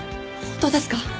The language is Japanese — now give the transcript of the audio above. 本当ですか？